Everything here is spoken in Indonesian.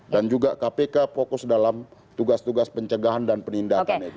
dan juga kpk fokus dalam tugas tugas pencegahan dan penindakan itu